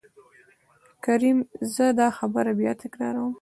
کريم :زه دا خبره بيا تکرار وم.